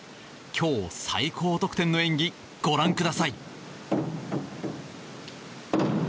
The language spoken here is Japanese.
今日最高得点の演技ご覧ください。